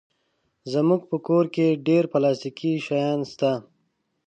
زموږ په کور کې ډېر پلاستيکي شیان شته.